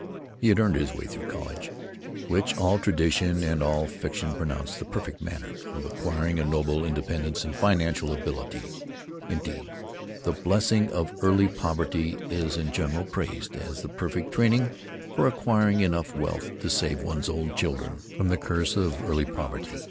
He had "earned his way through college," which all tradition and all fiction pronounce the perfect manner of acquiring a noble independence and financial ability. Indeed, the blessing of early poverty is in general praised as the perfect training for acquiring enough wealth to save one's own children from the curse of early poverty.